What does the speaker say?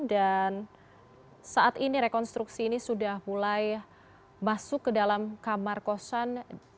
dan saat ini rekonstruksi ini sudah mulai masuk ke dalam kamar kosan